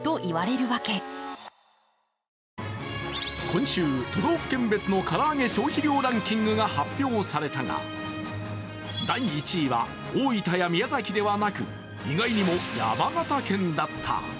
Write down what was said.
今週、都道府県別の唐揚げ消費量ランキングが発表されたが、第１位は大分や宮崎ではなく、意外にも山形県だった。